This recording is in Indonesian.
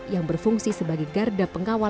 yang berfungsi sebagai garda pengawal